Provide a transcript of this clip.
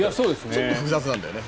ちょっと複雑なんだよね。